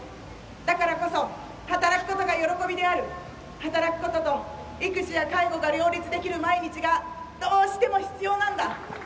だからこそ働くことが喜びである働くことと育児や介護が両立できる毎日がどうしても必要なんだ。